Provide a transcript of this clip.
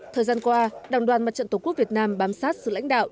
thời gian qua đảng đoàn mặt trận tổ quốc việt nam bám sát sự lãnh đạo